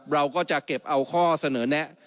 เราก็จะเก็บเอาข้อเสนอแนะ